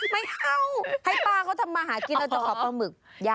ไม่เอาให้ป้าเขาทำมาหากินเราจะขอปลาหมึก